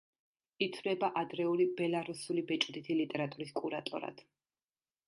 ითვლება ადრეული ბელარუსული ბეჭვდითი ლიტერატურის კურატორად.